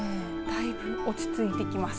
だいぶ落ち着いてきます。